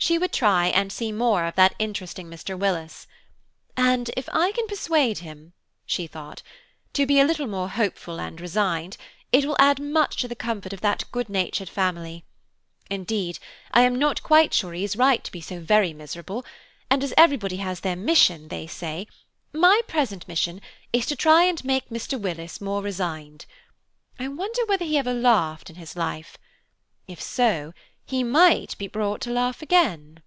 She would try and see more of that interesting Mr. Willis, "and if I can persuade him," she thought, "to be a little more hopeful and resigned, it will add much to the comfort of that good natured family. Indeed, I am not quite sure he is right to be so very miserable, and as everybody has their mission, they say, my present mission is to try and make Mr. Willis more resigned. I wonder whether he ever laughed in his life? If so, he might be brought to laugh again."